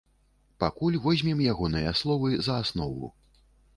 Пакуль возьмем ягоныя словы за аснову.